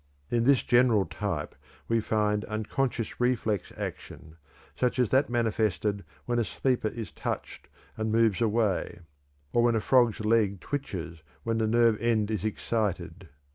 In this general type we find unconscious reflex action, such as that manifested when a sleeper is touched and moves away, or when the frog's leg twitches when the nerve end is excited.